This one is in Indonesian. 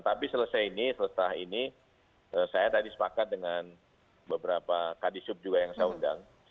tapi selesai ini selesai ini saya tadi sepakat dengan beberapa kadisub juga yang saya undang